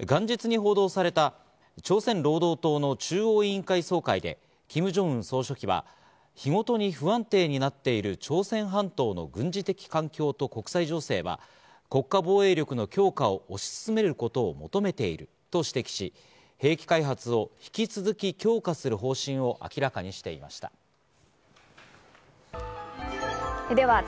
元日に報道された朝鮮労働党の中央委員会総会でキム・ジョンウン総書記は、日ごとに不安定になっている朝鮮半島の軍事的環境と国際情勢は国家防衛力の強化を押し進めることを求めていると指摘し、兵器開発を引き続き強化する方針を明らかにしています。